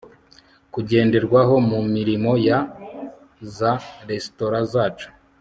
kugenderwaho mu mirimo ya za resitora zacu